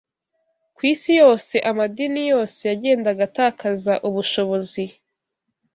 Ku isi yose, amadini yose yagendaga atakaza ubushobozi